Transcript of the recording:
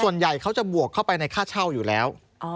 ส่วนใหญ่เขาจะบวกเข้าไปในค่าเช่าอยู่แล้ว